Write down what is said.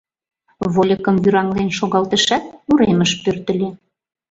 Вольыкым вӱраҥлен шогалтышат, уремыш пӧртыльӧ.